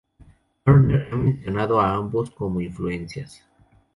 Turner ha mencionado a ambos como influencias.